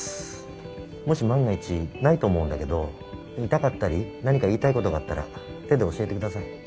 もし万が一ないと思うんだけど痛かったり何か言いたいことがあったら手で教えて下さい。